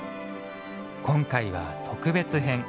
今回は特別編。